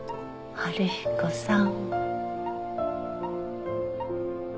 春彦さん？